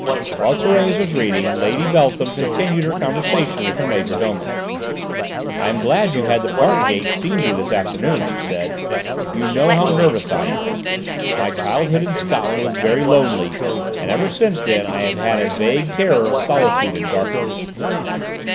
While Thérèse was reading, Lady Beltham continued her conversation with her major domo. "I am glad you had the park gate seen to this afternoon," she said. "You know how nervous I am. My childhood in Scotland was very lonely, and ever since then I have had a vague terror of solitude and darkness."